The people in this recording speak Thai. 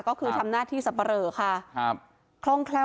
ก็คือทำหน้าที่สัปเหรอค่ะ